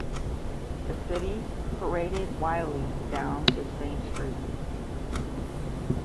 The city paraded Wiley down its Main Street.